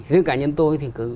riêng cá nhân tôi thì